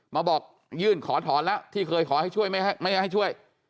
มาบอกยื่นขอถอนแล้วที่เคยขอให้ช่วยไม่ให้ช่วย